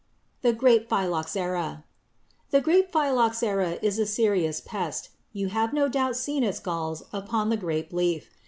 =The Grape Phylloxera.= The grape phylloxera is a serious pest. You have no doubt seen its galls upon the grape leaf.